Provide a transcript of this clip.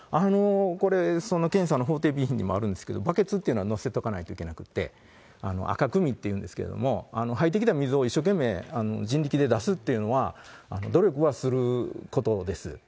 これ、その検査の法定備品にもあるんですけど、バケツというのは載せとかないといけなくて、あかくみっていうんですけれども、入ってきた水を一生懸命人力で出すというのは、努力はすることです。